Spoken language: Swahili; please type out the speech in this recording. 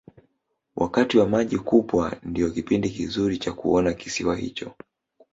wakati wa maji kupwa ndiyo kipindi kizuri cha kuona kisiwa hicho